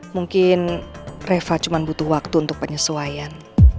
mungkin reva cuma butuh waktu untuk penyesuaian